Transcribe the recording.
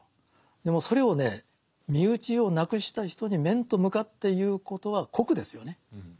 でもそれをね身内を亡くした人に面と向かって言うことは酷ですよね。